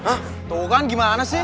tuh kan gimana sih